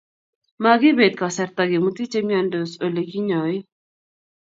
makipet kasarta kemuti che miandos ole kinyoi